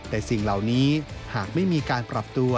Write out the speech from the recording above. แต่สิ่งเหล่านี้หากไม่มีการปรับตัว